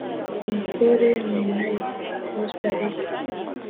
Nicole Menayo [Costa Rica]